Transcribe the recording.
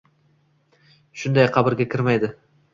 shunday, qabrga kirmaydi.